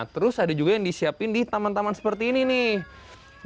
terus ada juga yang disiapin di taman taman seperti ini nih